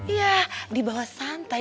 ya dibawa santai